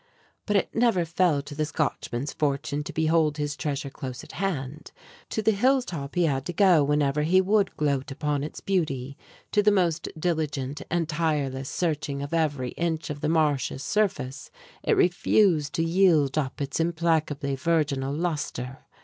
But it never fell to the Scotchman's fortune to behold his treasure close at hand. To the hill top he had to go whenever he would gloat upon its beauty. To the most diligent and tireless searching of every inch of the marsh's surface it refused to yield up its implacably virginal lustre.